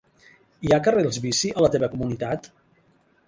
Hi ha carrils bici a la teva comunitat?